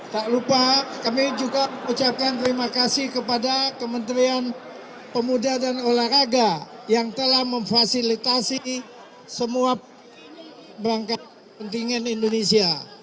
tak lupa kami juga mengucapkan terima kasih kepada kementerian pemuda dan olahraga yang telah memfasilitasi semua perangkat pentingin indonesia